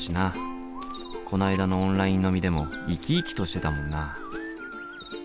こないだのオンライン飲みでも生き生きとしてたもんな。